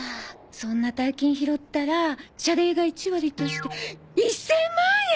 そんな大金拾ったら謝礼が１割として１０００万円！？